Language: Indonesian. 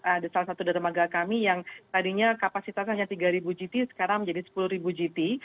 ada salah satu dermaga kami yang tadinya kapasitas hanya tiga ribu gt sekarang menjadi sepuluh gt